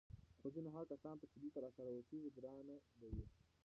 خو ځینو هغه کسانو ته چې دلته راسره اوسېږي ګرانه به وي